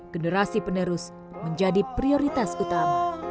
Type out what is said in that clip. generasi penerus menjadi prioritas utama